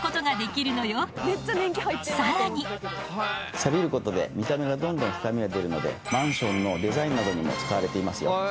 サビることで見た目がどんどん深みが出るのでマンションのデザインなどにも使われていますよ。